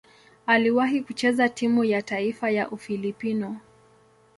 Aliwahi kucheza timu ya taifa ya Ufilipino.